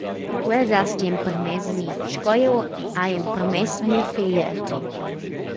«Quels has ti empermess a mi, sco jeu hai empermess mia feglia a ti!»